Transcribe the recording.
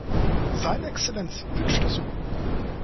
Seine Exzellenz wünscht es so.